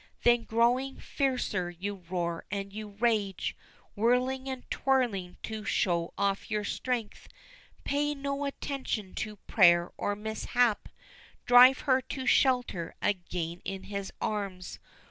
Then growing fiercer, you roar and you rage, Whirling and twirling to show off your strength, Pay no attention to prayer or mishap Drive her to shelter again in his arms.